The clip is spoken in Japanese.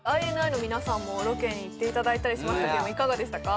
ＩＮＩの皆さんもロケに行っていただいたりしましたけどいかがでしたか？